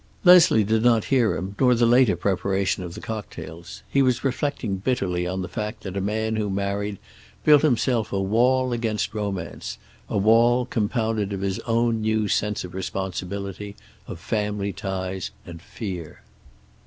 Leslie did not hear him, nor the later preparation of the cocktails. He was reflecting bitterly on the fact that a man who married built himself a wall against romance, a wall, compounded of his own new sense of responsibility, of family ties, and fear.